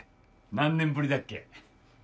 何年ぶりだっけ？